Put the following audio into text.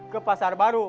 ke pasar baru